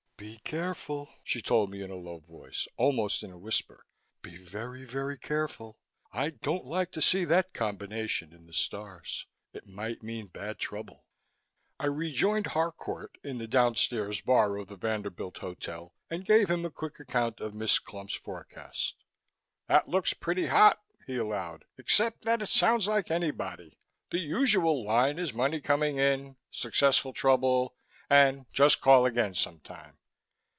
"Be careful," she told me in a low voice, almost in a whisper. "Be very, very careful. I don't like to see that combination in the stars. It might mean bad trouble." I rejoined Harcourt in the downstairs bar of the Vanderbilt Hotel and gave him a quick account of Miss Clump's forecast. "That looks pretty hot," he allowed, "except that it sounds like anybody. The usual line is money coming in, successful trouble, and just call again sometime.